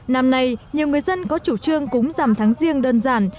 năm nay nhiều người dân có chủ trương cúng giảm thắng riêng đơn giản